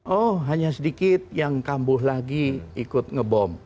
oh hanya sedikit yang kambuh lagi ikut ngebom